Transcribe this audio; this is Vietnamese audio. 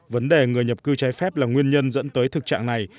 vấn đề người nhập cư trái phép là nguyên nhân dẫn tới thực trạng này